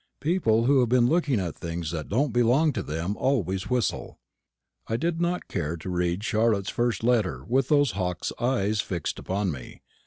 People who have been looking at things that don't belong to them always whistle. I did not care to read Charlotte's first letter with those hawk's eyes fixed upon me.